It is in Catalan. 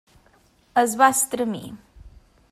Es va estremir.